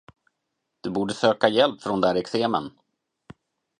Du borde söka hjälp för de där eksemen.